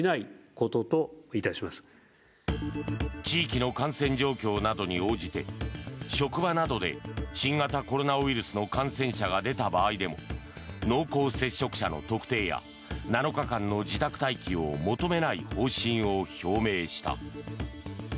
地域の感染状況などに応じて職場などで新型コロナウイルスの感染者が出た場合でも濃厚接触者の特定や７日間の自宅待機を求めない方針を表明した。